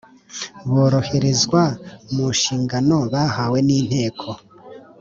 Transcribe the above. boroherezwa mu nshigano bahawe n Inteko